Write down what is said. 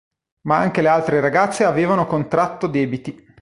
Ma anche le altre ragazze avevano contratto debiti.